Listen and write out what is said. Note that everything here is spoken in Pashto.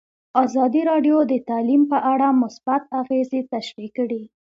ازادي راډیو د تعلیم په اړه مثبت اغېزې تشریح کړي.